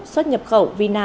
xuất nhập khẩu vina